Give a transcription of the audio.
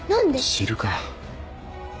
知るか。